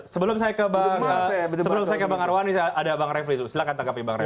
sebelum saya ke bang arwani ada bang refri silahkan tangkapin bang refri